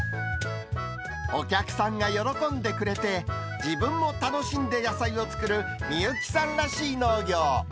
お客さんが喜んでくれて、自分も楽しんで野菜を作る美幸さんらしい農業。